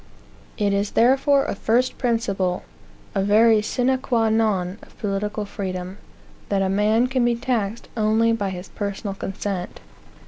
It is therefore a first principle, a very sine qua non of political freedom, that a man can be taxed only by his personal consent.